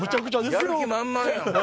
やる気満々やん。